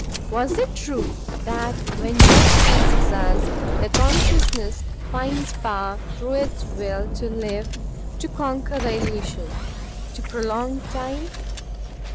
Was it true that when death faces us the consciousness finds power through its will to live to conquer the illusion to prolong Time?